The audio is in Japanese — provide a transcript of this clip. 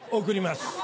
贈ります！